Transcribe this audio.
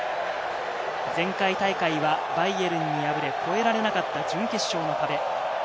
前回大会はバイエルンに敗れ、越えられなかった準決勝の壁。